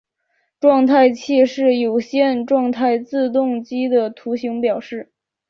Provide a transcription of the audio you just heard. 状态器是有限状态自动机的图形表示。